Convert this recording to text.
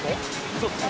「そうです」